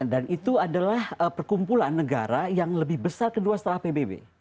dan itu adalah perkumpulan negara yang lebih besar kedua setelah pbb